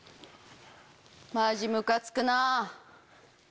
マジムカつくなぁ。